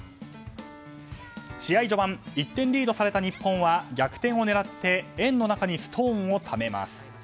試合序盤、１点リードされた日本は逆転を狙って円の中にストーンをためます。